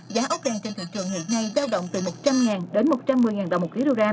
giá ốc len trên thị trường hiện nay giao động từ một trăm linh ngàn đến một trăm một mươi ngàn đồng một kg